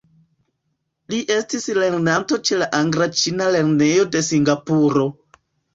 Li estis lernanto ĉe la Angla-Ĉina Lernejo de Singapuro.